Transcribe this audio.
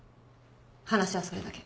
話はそれだけ。